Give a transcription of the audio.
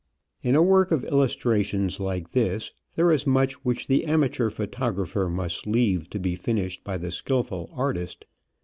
In a work of illustrations like this, there is much which the amateur photographer must leave to be finished by the skilful artist.